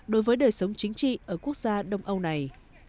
đối với đời sống chính trị ở quốc gia đông âu này